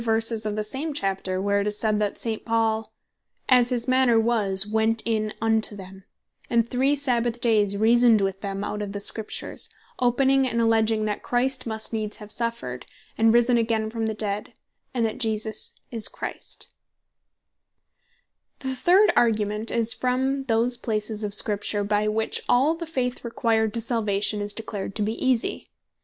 verses of the same Chapter, where it is said, that St. Paul "as his manner was, went in unto them; and three Sabbath dayes reasoned with them out of the Scriptures; opening and alledging, that Christ must needs have suffered, and risen againe from the dead, and that this Jesus (whom he preached) is Christ." From The Easinesse Of The Doctrine: The third Argument is, from those places of Scripture, by which all the Faith required to Salvation is declared to be Easie.